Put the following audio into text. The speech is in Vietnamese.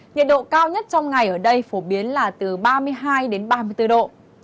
nhiệt độ cao nhất trong ngày ở đây phổ biến là từ ba mươi hai đến ba mươi bốn độ